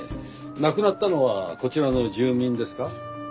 亡くなったのはこちらの住民ですか？